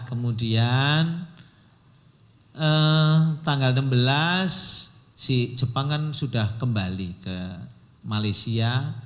kemudian tanggal enam belas si jepang kan sudah kembali ke malaysia